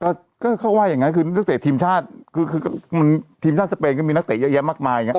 ก็ก็เขาว่าอย่างงั้นคือนักเตะทีมชาติคือคือมันทีมชาติสเปนก็มีนักเตะเยอะแยะมากมายอย่างเง